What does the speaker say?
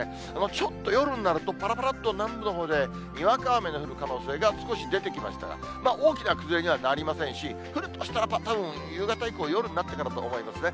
ちょっと夜になるとぱらぱらっと南部のほうで、にわか雨の降る可能性が少し出てきましたが、大きな崩れにはなりませんし、降るとしたらたぶん夕方以降、夜になってからだと思いますね。